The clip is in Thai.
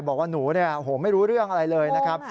บอกว่าหนูเนี่ยโอ้โหไม่รู้เรื่องอะไรเลยนะครับ